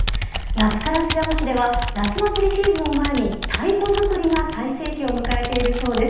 那須烏山市では、夏祭りシーズンを前に、太鼓作りが最盛期を迎えているそうです。